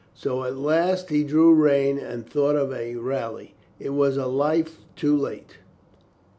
So at last he drew rein and thought of a rally. It was a life too late.